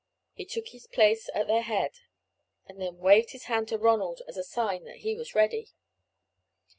He took his place at their head, and then waved his hand to Ronald as a sign that he was ready.